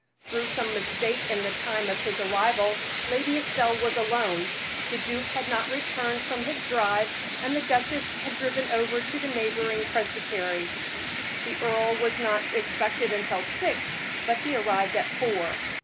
Through some mistake in the time of his arrival, Lady Estelle was alone; the duke had not returned from his drive, and the duchess had driven over to the neighboring presbytery. The earl was not expected until six, but he arrived at four.